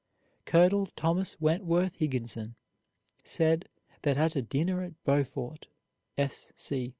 Colonel Thomas Wentworth Higginson said that at a dinner at Beaufort, S. C.